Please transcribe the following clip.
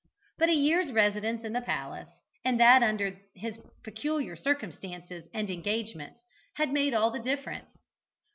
But a year's residence in the palace, and that under his peculiar circumstances and engagements, had made all the difference.